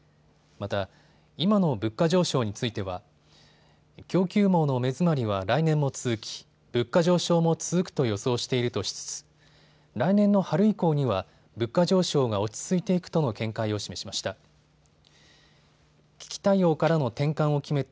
また今の物価上昇については供給網の目詰まりは来年も続き、物価上昇も続くと予想しているとしつつ来年の春以降には物価上昇が落ち着いていくとの見解を示しました。